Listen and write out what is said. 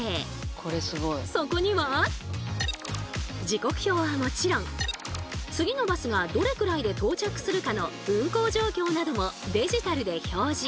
時刻表はもちろん次のバスがどれくらいで到着するかの運行状況などもデジタルで表示。